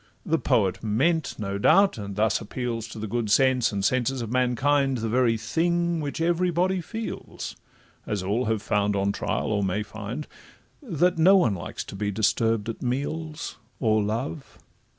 The poet meant, no doubt, and thus appeals To the good sense and senses of mankind, The very thing which every body feels, As all have found on trial, or may find, That no one likes to be disturb'd at meals Or love.